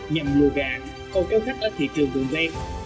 nhằm lùa gà hầu kéo khách ở thị trường vườn ven